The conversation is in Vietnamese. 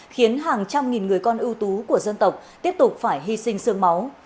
khiến hàng trăm nghìn người con ưu tú của dân tộc tiếp tục phải hy sinh sương máu